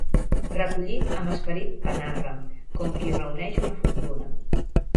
Recollit amb esperit panarra, com qui reuneix una fortuna.